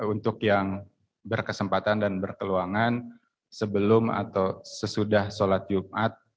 untuk yang berkesempatan dan berkeluangan sebelum atau sesudah sholat jumat